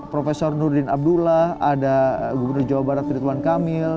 profesor nurdin abdullah ada gubernur jawa barat ridwan kamil